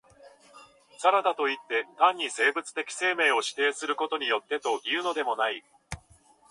さらばといって、単に生物的生命を否定することによってというのでもない。